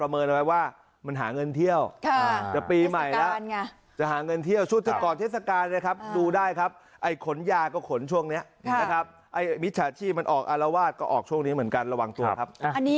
มิชชาชีมันออกอารวาสก็ออกช่วงนี้เหมือนกันระวังตัวครับ